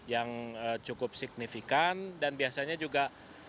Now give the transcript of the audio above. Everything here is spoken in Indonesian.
yang cukup signifikan dan biasanya juga